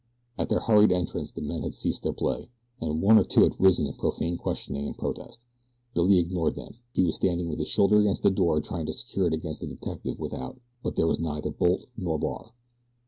At their hurried entrance the men had ceased their play, and one or two had risen in profane questioning and protest. Billy ignored them. He was standing with his shoulder against the door trying to secure it against the detective without; but there was neither bolt nor bar.